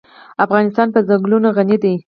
افغانستان په ځنګلونه غني دی.